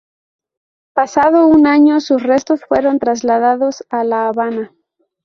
Pasado un año, sus restos fueron trasladados a La Habana.